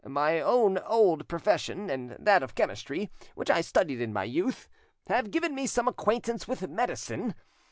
My own old profession, and that of chemistry, which I studied in my youth, have given me some acquaintance with medicine.